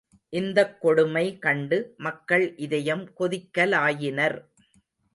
இந்தக் கொடுமை கண்டு மக்கள் இதயம் கொதிக்க லாயினர்.